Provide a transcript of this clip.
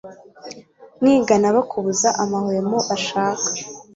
mwigana bakubuza amahwemo bashaka